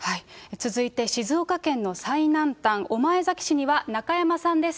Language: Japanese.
続いて静岡県の最南端、御前崎市には中山さんです。